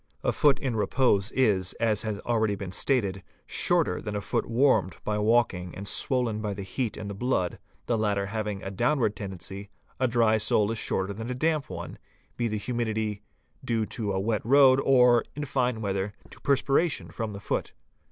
A foot in repose is, as has been already stated, shorter than a foot warmed by walking and swollen by the heat and the blood, the latter having a downward tendency; a dry " sole is shorter than a damp one, be the humidity due to a wet road or, in fine weather, to perspiration from the foot.